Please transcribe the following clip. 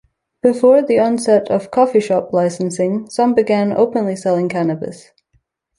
Before the onset of "coffeeshop" licensing, some began openly selling cannabis.